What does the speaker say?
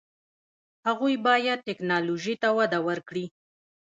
هغوی باید ټیکنالوژي ته وده ورکړي.